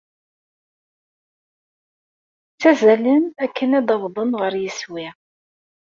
Ttazzalen akken ad awḍen ɣer yeswi.